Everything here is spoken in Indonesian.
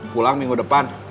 pulang minggu depan